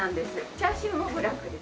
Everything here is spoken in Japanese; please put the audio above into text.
チャーシューもブラックです。